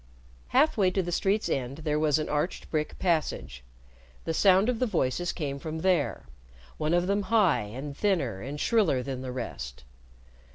Half way to the street's end there was an arched brick passage. The sound of the voices came from there one of them high, and thinner and shriller than the rest.